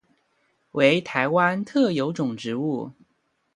为台湾特有种植物。